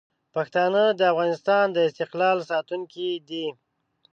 پښتانه د افغانستان د استقلال ساتونکي دي.